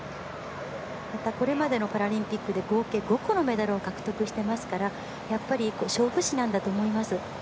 これまでのパラリンピックで合計５個のメダルを獲得していますからやっぱり勝負師なんだと思います。